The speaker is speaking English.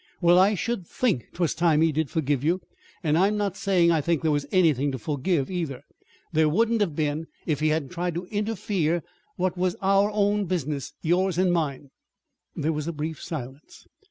"Well, I should think 'twas time he did forgive you and I'm not saying I think there was anything to forgive, either. There wouldn't have been, if he hadn't tried to interfere with what was our own business yours and mine." There was a brief silence.